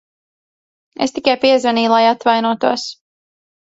Es tikai piezvanīju, lai atvainotos.